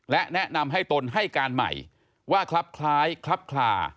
และแนะนำให้ตนให้การใหม่ว่าคลับคล้ายคลับคลา